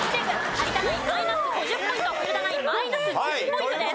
有田ナインマイナス５０ポイント古田ナインマイナス１０ポイントです。